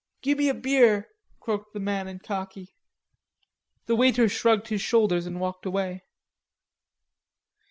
"Gimme a beer," croaked the man in khaki. The waiter shrugged his shoulders and walked away.